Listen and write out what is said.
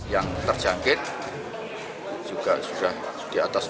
yang terjangkit juga sudah di atas empat ratus